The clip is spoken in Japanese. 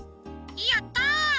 やった！